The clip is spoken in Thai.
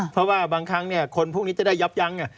เพราะว่าบางครั้งเนี่ยคนพวกนี้จะได้ยับยั้ง